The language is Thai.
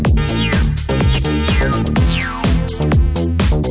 แต่หน้าต้องเหมือนค่ะ